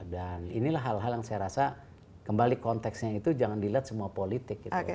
dan inilah hal hal yang saya rasa kembali konteksnya itu jangan dilihat semua politik gitu